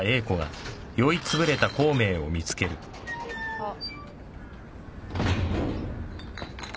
あっ。